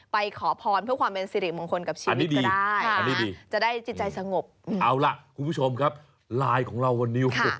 ไปขอพรเพื่อความเป็นสิริมงคลกับชีวิตก็ได้